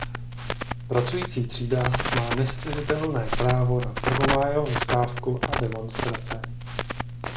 Pracující třída má nezcizitelné právo na prvomájovou stávku a demonstrace.